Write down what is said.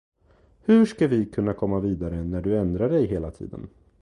Hur ska vi kunna komma vidare när du ändra dig hela tiden.